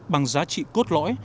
bằng giá trị cốt lõi